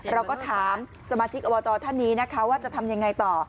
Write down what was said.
เราก็ถามสมาชิกอบตท่านนี้นะคะว่าจะทำยังไงต่อ